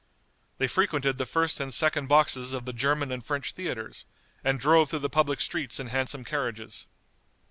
They frequented the first and second boxes of the German and French theatres, and drove through the public streets in handsome carriages.